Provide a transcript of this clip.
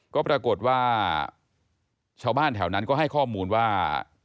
ก็ปรากฏว่าชาวบ้านแถวนั้นก็ให้ข้อมูลว่า